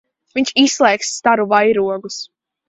Viņš izslēgs staru vairogus.